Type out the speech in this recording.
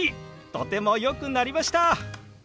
とてもよくなりました！